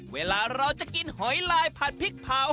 เวลาเราจะกินหอยลายผัดพริกเผา